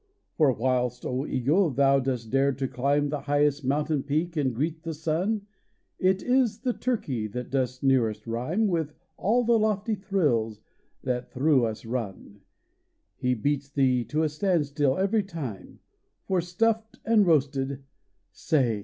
For whilst, O Eagle, thou dost dare to climb The highest mountain peak and greet the sun, It is the turkey that dost nearest rhyme With all the lofty thrills that through us run; He beats thee to a standstill every time, For, stuffed and roasted say!